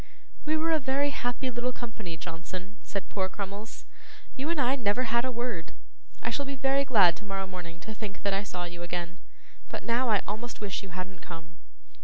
'We were a very happy little company, Johnson,' said poor Crummles. 'You and I never had a word. I shall be very glad tomorrow morning to think that I saw you again, but now I almost wish you hadn't come.